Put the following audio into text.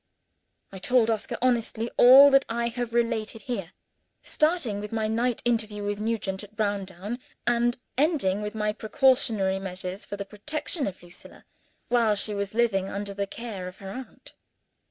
I told Oscar honestly all that I have related here starting from my night interview with Nugent at Browndown, and ending with my precautionary measures for the protection of Lucilla while she was living under the care of her aunt.